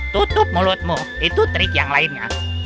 tutup mulutmu itu trik yang lainnya